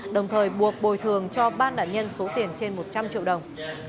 đồng thời buộc bồi thường cho ba nạn nhân số tiền trên một trăm linh triệu đồng